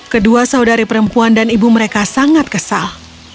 kedua saudari perempuan dan ibu mereka sangat kesal